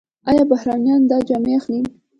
آیا بهرنیان دا جامې اخلي؟